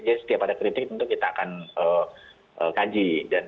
jadi setiap ada kritik tentu kita akan kaji